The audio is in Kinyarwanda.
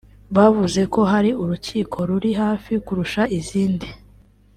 bavuze ko ari urukiko ruri hafi kurusha izindi